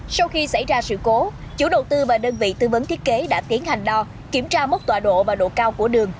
sau khi xảy ra sự cố chủ đầu tư và đơn vị tư vấn thiết kế đã tiến hành đo kiểm tra mốc tọa độ và độ cao của đường